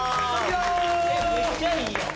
めっちゃいいやん！